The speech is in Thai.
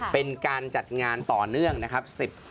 เป็นการจัดงานต่อเนื่องนะครับ